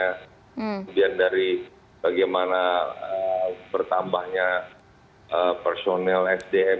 kemudian dari bagaimana bertambahnya personel sdm